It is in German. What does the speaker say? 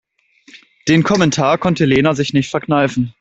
Den Kommentar konnte Lena sich nicht verkneifen.